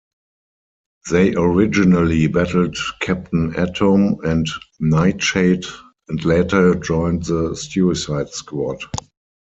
They originally battled Captain Atom and Nightshade and later joined the Suicide Squad.